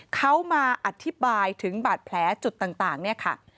เขามาอธิบายถึงบาดแผลจุดต่างเนี่ยค่ะ